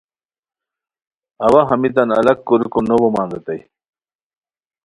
اوا ہمیتان الگ کوریکو نو بومان ریتائے